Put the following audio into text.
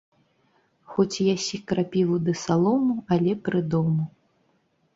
Хоць ясі крапіву ды салому, але пры дому